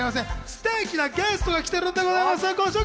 ステキなゲストが来てるんです！